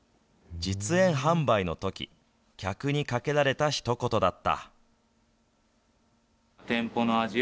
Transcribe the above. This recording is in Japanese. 実演販売のとき、客にかけられたひと言だった。